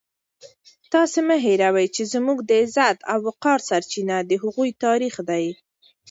تاسو مه هېروئ چې زموږ د عزت او وقار سرچینه د هغوی تاریخ دی.